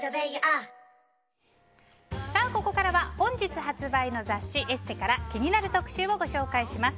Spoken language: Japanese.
ここからは本日発売の雑誌「ＥＳＳＥ」から気になる特集をご紹介します。